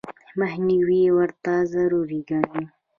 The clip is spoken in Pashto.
مخنیوي ورته ضروري ګڼي.